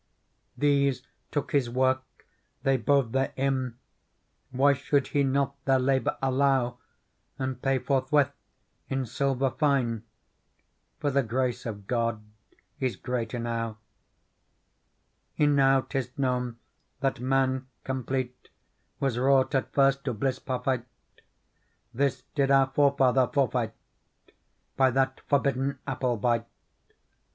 These took His work, they bode therein ; Why should He not their labour allow And pay forthwith in silver fine ? For the grace of God is great enow. Digitized by Google 28 PEARL " Enow 'tis known that man, complete, Was wrought at first to bliss parfite : This did our forefather forfeit By that forbidden apple bite.